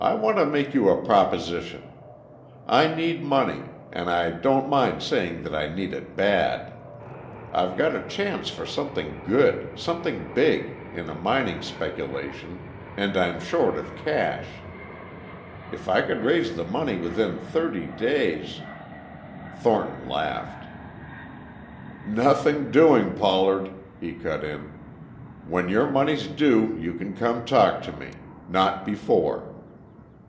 "I want to make you a proposition. I need money, and I don't mind saying that I need it bad! I've got a chance for something good, something big, in a mining speculation, and I'm short of cash. If I could raise the money within thirty days..." Thornton laughed. "Nothing doing, Pollard," he cut in. "When your money's due you can come talk to me. Not before."